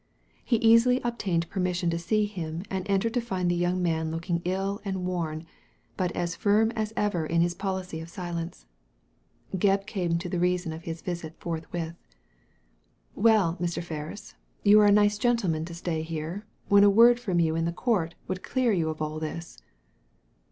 He easily obtained permission to see him and entered to find the young man looking ill and worn, but as firm as ever in his policy of silence, Gebb came to the reason of his visit forthwith. "Well, Mr. Ferris, you are a nice gentleman to stay here, when a word from you in the Court would clear you of all this."